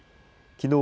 きのう